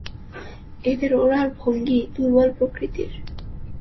এদের ওড়ার ভঙ্গি দুর্বল প্রকৃতির।